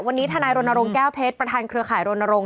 วันนี้ทนายรณรงค์แก้วเพชรประธานเครือข่ายรณรงค